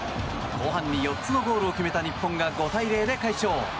後半に４つのゴールを決めた日本が５対０で快勝。